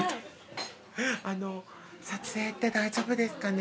撮影って大丈夫ですかね？